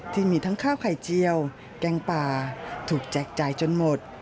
ที่มีทั้งข้าวไข่เจียวแกงป่าถูกแจกจ่ายจนหมด